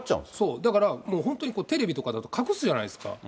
だから、もう本当に、テレビとかだと隠すじゃないですか。